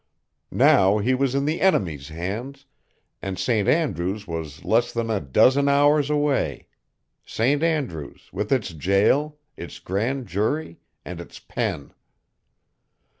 Now he was in the enemy's hands, and St. Andrew's was less than a dozen hours away; St. Andrew's, with its jail, its grand jury, and its pen.